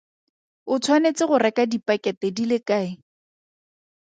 O tshwanetse go reka dipakete di le kae?